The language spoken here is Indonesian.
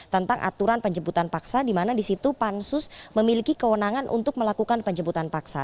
tentang aturan penjemputan paksa di mana di situ pansus memiliki kewenangan untuk melakukan penjemputan paksa